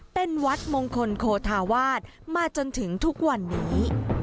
เป็นวัดมงคลโคธาวาสมาจนถึงทุกวันนี้